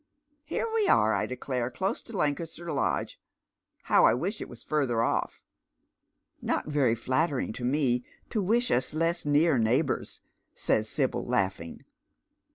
Hei'e we are, I declare, close to Lancaster Lodge ! How I wish it was further off !"" Not very flattering to me to wish us less near neighbours, says Sibyl, laughing.